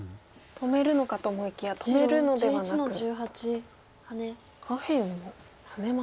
止めるのかと思いきや止めるのではなく下辺をハネました。